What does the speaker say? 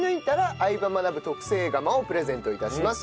相葉マナブ』特製釜をプレゼント致します。